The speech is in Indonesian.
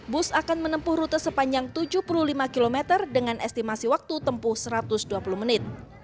bus akan menempuh rute sepanjang tujuh puluh lima km dengan estimasi waktu tempuh satu ratus dua puluh menit